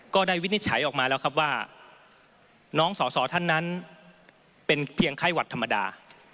วินิจฉัยออกมาแล้วครับว่าน้องสอสอท่านนั้นเป็นเพียงไข้หวัดธรรมดา